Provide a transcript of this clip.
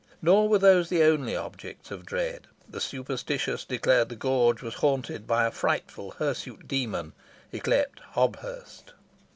Nor were those the only objects of dread. The superstitious declared the gorge was haunted by a frightful, hirsute demon, yclept Hobthurst.